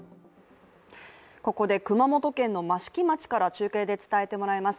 ここで熊本県の益城町から中継で伝えてもらいます。